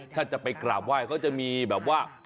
ถ้าจะไปกราบไหว้เขาจะมีแบบว่า